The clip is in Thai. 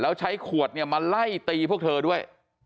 แล้วใช้ขวดเนี่ยมาไล่ตีพวกเธอด้วย